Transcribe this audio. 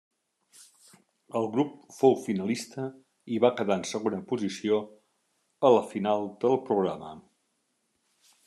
El grup fou finalista i va quedar en segona posició a la final del programa.